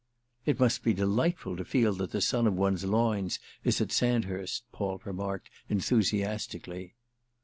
"It must be delightful to feel that the son of one's loins is at Sandhurst," Paul remarked enthusiastically.